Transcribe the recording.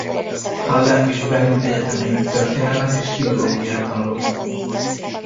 Halle és Berlin egyetemein történelmet és filológiát tanult.